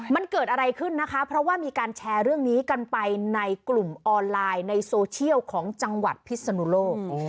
มันเกิดอะไรขึ้นนะคะเพราะว่ามีการแชร์เรื่องนี้กันไปในกลุ่มออนไลน์ในโซเชียลของจังหวัดพิศนุโลก